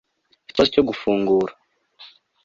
mfite ikibazo cyo gufungura